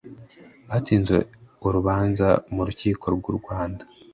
Batsinze urubanza mu Rukiko rw urwanda